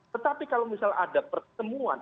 tetapi kalau misal ada pertemuan